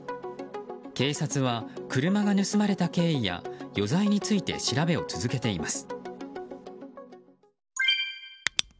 警察は車が盗まれた経緯や余罪について調べを続けています。